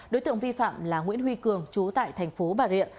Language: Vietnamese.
đối tượng vi phạm là nguyễn huy cường chú tại thành phố bà rịa